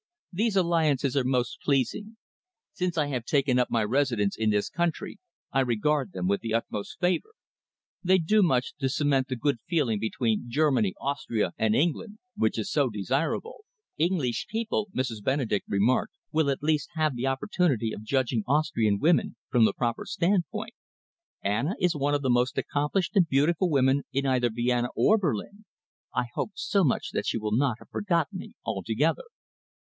These alliances are most pleasing. Since I have taken up my residence in this country, I regard them with the utmost favour. They do much to cement the good feeling between Germany, Austria, and England, which is so desirable." "English people," Mrs. Benedek remarked, "will at least have the opportunity of judging Austrian women from the proper standpoint. Anna is one of the most accomplished and beautiful women in either Vienna or Berlin. I hope so much that she will not have forgotten me altogether."